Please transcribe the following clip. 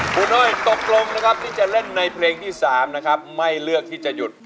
คุณอ้อยตกลงนะครับที่จะเล่นในเพลงที่๓นะครับไม่เลือกที่จะหยุด